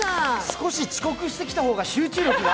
少し遅刻してきた方が集中力が。